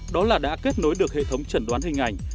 đó là đã kết nối được hệ thống chẩn đoán hình ảnh